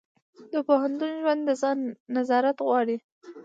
د پوهنتون ژوند د ځان نظارت غواړي.